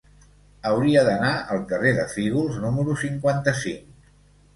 Hauria d'anar al carrer de Fígols número cinquanta-cinc.